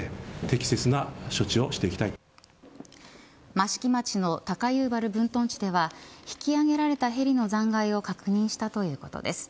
益城町の高遊原分屯地では引き揚げられたヘリの残骸を確認したということです。